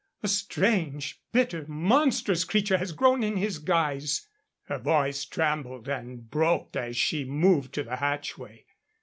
A strange, bitter, monstrous creature has grown in his guise." Her voice trembled and broke as she moved to the hatchway.